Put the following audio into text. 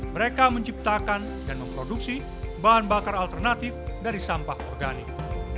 mereka menciptakan dan memproduksi bahan bakar alternatif dari sampah organik